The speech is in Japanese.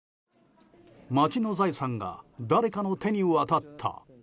町の財産が誰かの手に渡った？